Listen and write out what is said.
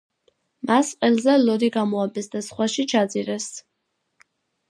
მას ყელზე ლოდი გამოაბეს და ზღვაში ჩაძირეს.